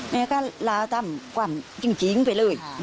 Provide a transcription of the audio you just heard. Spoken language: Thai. ซึ่งก็ราตามมีความจริงของตุ๊กสาวไปเลย